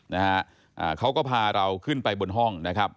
นะฮะอ่าเขาก็พาเราขึ้นไปบนห้องนะครับ